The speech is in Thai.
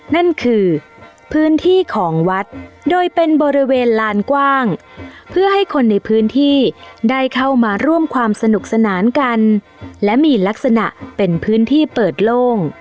นั่นคือพื้นที่ของวัดโดยเป็นบริเวณลานกว้างเพื่อให้คนในพื้นที่ได้เข้ามาร่วมความสนุกสนานกันและมีลักษณะเป็นพื้นที่เปิดโล่ง